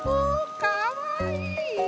かわいい！